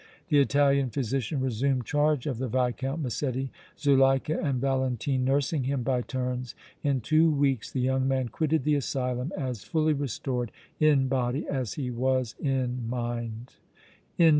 The Italian physician resumed charge of the Viscount Massetti, Zuleika and Valentine nursing him by turns. In two weeks the young man quitted the asylum as fully restored in body as he was in mind. CHAPTER XXIV.